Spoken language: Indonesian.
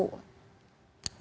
pernyataan dari prabowo